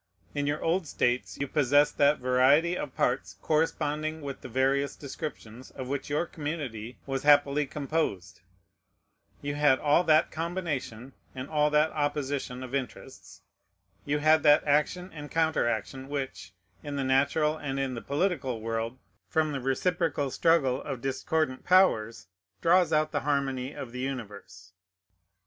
In your old states you possessed that variety of parts corresponding with the various descriptions of which your community was happily composed; you had all that combination and all that opposition of interests, you had that action and counteraction, which, in the natural and in the political world, from the reciprocal struggle of discordant powers draws out the harmony of the universe.